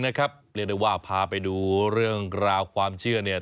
เรียกได้ว่าพาไปดูเรื่องราวความเชื่อเนี่ย